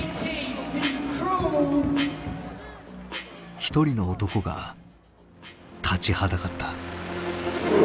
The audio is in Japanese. １人の男が立ちはだかった。